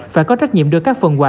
phải có trách nhiệm đưa các phần quả